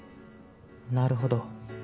なるほど。